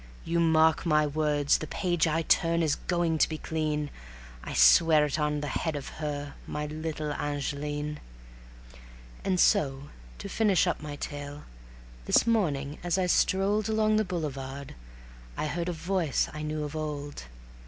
You mark my words, the page I turn is going to be clean, I swear it on the head of her, my little Angeline." And so, to finish up my tale, this morning as I strolled Along the boulevard I heard a voice I knew of old.